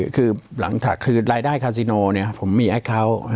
คือรายด้านคาซิโนเนี่ยผมมีแอคเอาต์